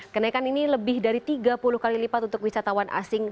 kenaikan ini lebih dari tiga puluh kali lipat untuk wisatawan asing